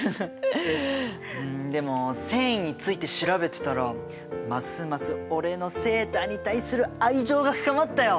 でも繊維について調べてたらますます俺のセーターに対する愛情が深まったよ！